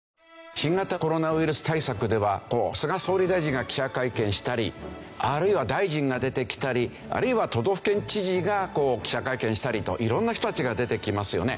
新型コロナウイルス対策では菅総理大臣が記者会見したりあるいは大臣が出てきたりあるいは都道府県知事が記者会見したりと色んな人たちが出てきますよね。